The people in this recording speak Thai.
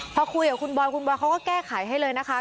พอคุยกับคุณบอยคุณบอยเขาก็แก้ไขให้เลยนะคะ